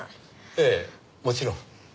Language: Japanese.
ええもちろん。